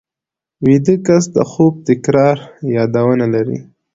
ویده کس د خوب تکراري یادونه لري